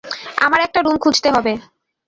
আমার একটা রুম খুঁজতে হবে।